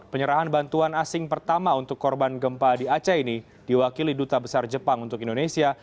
penyerahan bantuan asing pertama untuk korban gempa di aceh ini diwakili duta besar jepang untuk indonesia